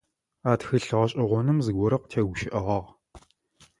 А тхылъ гъэшӏэгъоным зыгорэ къытегущыӏэгъагъ.